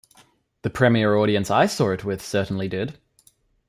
The premiere audience I saw it with certainly did.